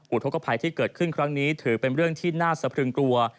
อุทธกภัยที่เกิดขึ้นครั้งนี้ถือเป็นเรื่องที่น่าสะพรึงกลัว